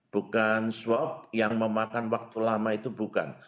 bukan swab yang memakan waktu lama itu bukan